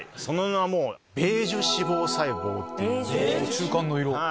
中間の色。